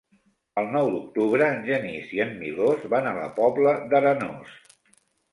El nou d'octubre en Genís i en Milos van a la Pobla d'Arenós.